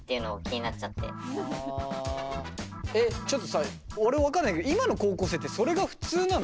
ちょっとさ俺分かんないけど今の高校生ってそれが普通なの？